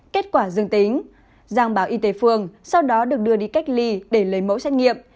kết quả dương tính giang báo y tế phường sau đó được đưa đi cách ly để lấy mẫu xét nghiệm